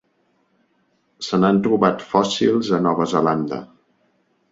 Se n'han trobat fòssils a Nova Zelanda.